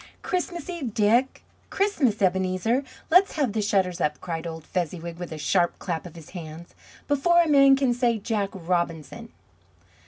Christmas Eve, Dick! Christmas, Ebenezer! Let's have the shutters up!" cried old Fezziwig with a sharp clap of his hands, "before a man can say Jack Robinson...."